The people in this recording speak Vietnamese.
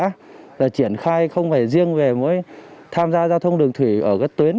chúng tôi đã triển khai không phải riêng về mỗi tham gia giao thông đường thủy ở gất tuyến